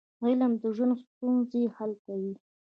علم د ژوند ستونزې حل کوي.